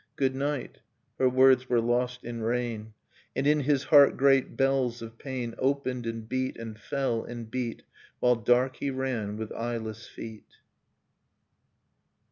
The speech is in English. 'Good night!' — Her words were lost in rain. And in his heart great bells of pain Opened and beat and fell and beat While dark he ran with eyeless feet.